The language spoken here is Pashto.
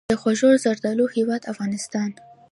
د خوږو زردالو هیواد افغانستان.